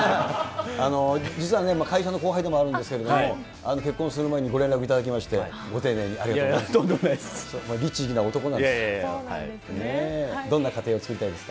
実はね、会社の後輩でもあるんですけれどもね、結婚する前にご連絡いただきまして、ご丁寧に、とんでもないです。